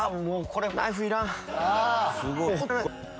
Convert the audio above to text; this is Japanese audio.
これ。